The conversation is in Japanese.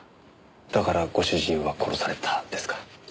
だからご主人は殺されたですか？